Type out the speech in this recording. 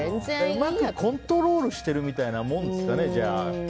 うまくコントロールしているみたいなもんですかね。